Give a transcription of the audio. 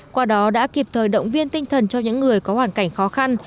qua đó đã kịp thời động viên tinh thần cho những người có hoàn cảnh khó khăn